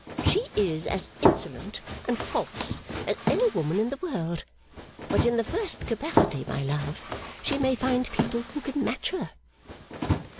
She is as insolent and false as any woman in the world. But in the first capacity, my love, she may find people who can match her.